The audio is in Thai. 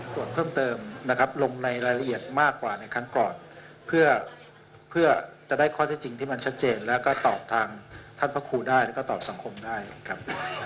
ตรวจเพิ่มเติมนะครับลงในรายละเอียดมากกว่าในครั้งก่อนเพื่อจะได้ข้อเท็จจริงที่มันชัดเจนแล้วก็ตอบทางท่านพระครูได้แล้วก็ตอบสังคมได้ครับ